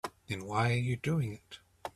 Then why are you doing it?